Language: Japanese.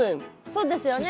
そうですよね。